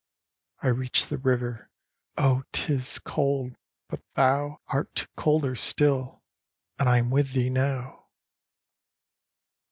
I reach the river : oh, 't is cold, but thou Art colder still, and I am with thee now."